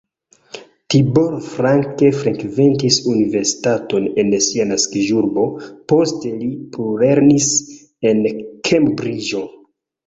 Tibor Frank frekventis universitaton en sia naskiĝurbo, poste li plulernis en Kembriĝo.